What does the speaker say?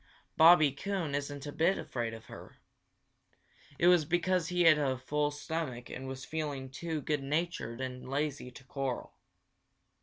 Bobby Coon isn't a bit afraid of her. It was because he had a full stomach and was feeling too good natured and lazy to quarrel.